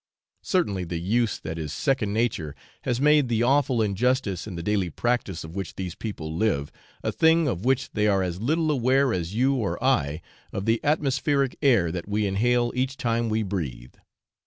Certainly the use that is second nature has made the awful injustice in the daily practice of which these people live, a thing of which they are as little aware as you or I of the atmospheric air that we inhale each time we breathe.